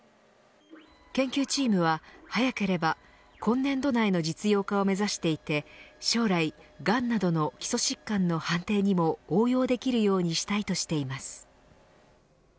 研究チームは早ければ今年度内の実用化を目指していて将来、がんなどの基礎疾患の判定にも応用できるようにしたいとしています。